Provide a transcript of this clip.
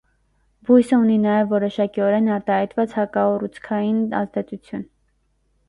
Բույսը ունի նաև որոշակիորեն արտահայտված հակաուռուցքային ազդեցություն։